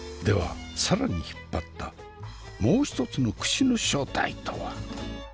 では更に引っ張ったもう一つの串の正体とは？